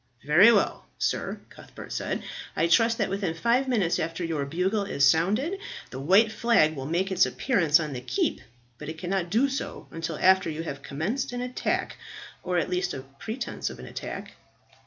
"Very well, sir," Cuthbert said. "I trust that within five minutes after your bugle has sounded, the white flag will make its appearance on the keep, but it cannot do so until after you have commenced an attack, or at least a pretence of an attack."